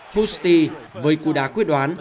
husti với cú đá quyết đoán